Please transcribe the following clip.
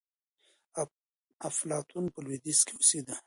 افلاطون په لوېدیځ کي اوسېده.